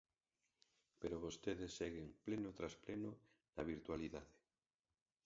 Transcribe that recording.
Pero vostedes seguen, pleno tras pleno, na virtualidade.